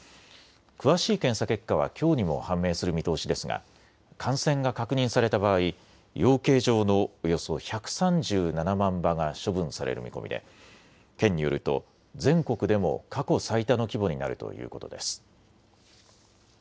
詳しい検査結果はきょうにも判明する見通しですが感染が確認された場合、養鶏場のおよそ１３７万羽が処分される見込みで県によると全国でも過去最多の規模になるということです。